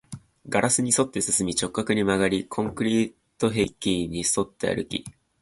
ガラスに沿って進み、直角に曲がり、コンクリート壁に沿って歩き